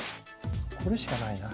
これしかないな。